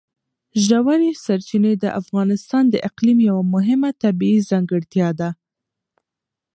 ژورې سرچینې د افغانستان د اقلیم یوه مهمه طبیعي ځانګړتیا ده.